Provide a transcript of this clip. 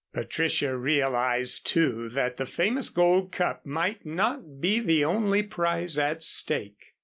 Patricia realized, too, that the famous gold cup might not be the only prize at stake.